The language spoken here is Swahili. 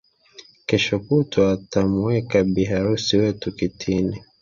Kesho kutwa twamuweka bi harusi wetu kitini